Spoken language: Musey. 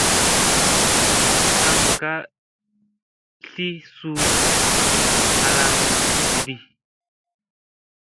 Aŋ ka sil suu halaŋŋa kiɗi.